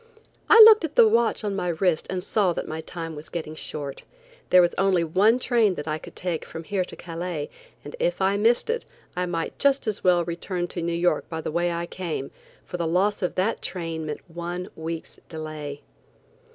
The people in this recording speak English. I looked at the watch on my wrist and saw that my time was getting short. There was only one train that I could take from here to Calais, and if I missed it I might just as well return to New York by the way I came, for the loss of that train meant one week's delay.